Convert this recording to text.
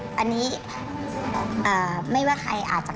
เหมือนไม่ไว้วางใจ